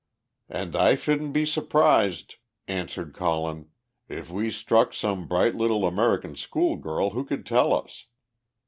"And I shouldn't be surprised," answered Colin, "if we struck some bright little American schoolgirl who could tell us."